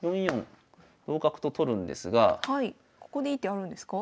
ここでいい手あるんですか？